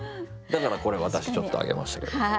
だからこれ私ちょっと挙げましたけども。